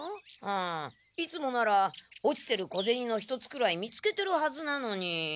うんいつもなら落ちてる小ゼニの一つくらい見つけてるはずなのに。